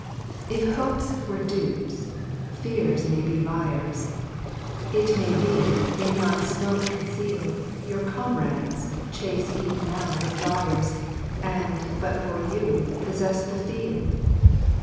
If hopes were dupes, fears may be liars; It may be, in yon smoke conceal'd, Your comrades chase e'en now the fliers, And, but for you, possess the field.